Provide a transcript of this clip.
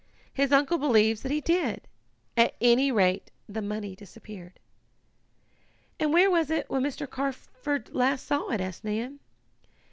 His uncle believes that he did. At any rate the money disappeared." "And where was it when Mr. Carford last saw it?" asked Nan.